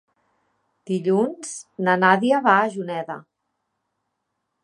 Dilluns na Nàdia va a Juneda.